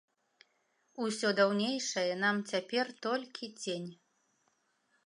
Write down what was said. Усё даўнейшае нам цяпер толькі цень.